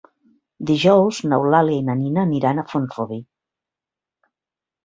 Dijous n'Eulàlia i na Nina aniran a Font-rubí.